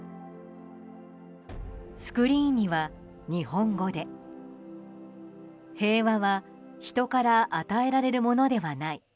スクリーンには日本語で平和は人から与えられるものではない。